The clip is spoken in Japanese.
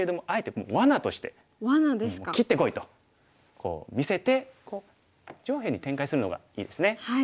「もう切ってこい！」と見せて上辺に展開するのがいいですね。